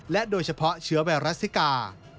โดยเฉพาะเชื้อไวรัสซิกา